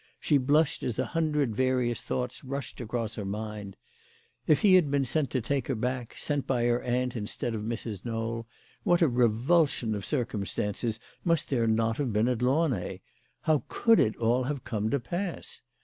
She blushed as a hundred various thoughts rushed across her mind. If he had been sent to take her back, sent by her aunt, instead of Mrs. Knowl, what a revulsion of circumstances must there not have been at Launay ! How could it all have come to pass